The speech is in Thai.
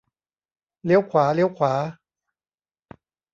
เลี้ยวขวา เลี้ยวขวา